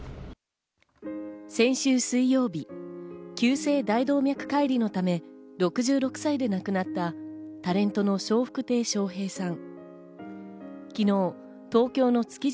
先週水曜日、急性大動脈解離のため、６６歳で亡くなったタレントの笑福亭笑瓶さん。